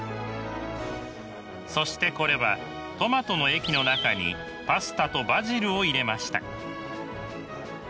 そしてこれはトマトの液の中にパスタとバジルを入れました。